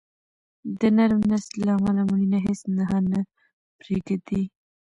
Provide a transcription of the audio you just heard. د نرم نسج له امله مړینه هیڅ نښه نه پرېږدي.